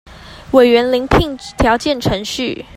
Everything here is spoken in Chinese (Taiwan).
委員遴聘條件程序